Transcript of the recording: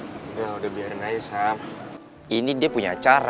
mainannya fisik nih jahat